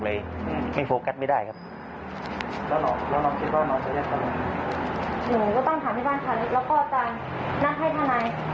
แล้วก็จะนัดให้ธนาย